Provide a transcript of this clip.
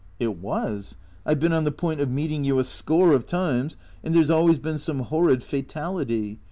" It was. I've been on the point of meeting you a score of times, and there 's always been some horrid fatality.